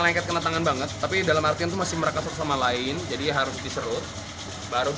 lengket kena tangan banget tapi dalam artian itu masih merasa satu sama lain jadi harus diserut baru